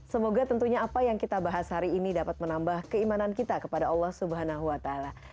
semoga tentunya apa yang kita bahas hari ini dapat menambah keimanan kita kepada allah swt